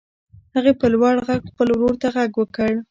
هغې په لوړ غږ خپل ورور ته غږ وکړ.